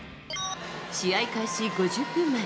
試合開始５０分前。